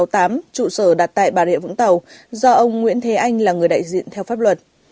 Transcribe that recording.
trụ sở đặt tại bà rịa vũng tàu do ông nguyễn thế anh là người đại diện theo pháp luật